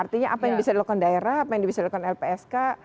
artinya apa yang bisa dilakukan daerah apa yang bisa dilakukan lpsk